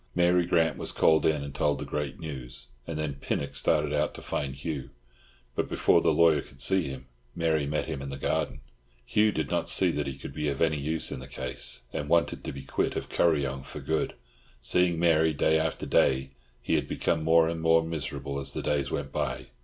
Mary Grant was called in and told the great news, and then Pinnock started out to find Hugh. But before the lawyer could see him, Mary met him in the garden. Hugh did not see that he could be of any use in the case, and wanted to be quit of Kuryong for good. Seeing Mary day after day, he had become more and more miserable as the days went by.